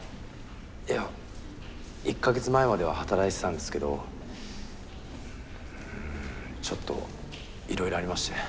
いや１か月前までは働いてたんですけどちょっといろいろありまして。